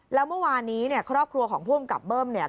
แล้วเมื่อวานนี้เนี่ยครอบครัวของผู้กำกับเบิ้มเนี่ย